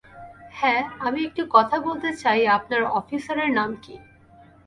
হ্যাঁঁ আমি একটু কথা বলতে চাই আপনার অফিসারের নাম কী?